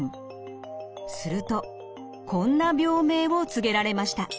するとこんな病名を告げられました。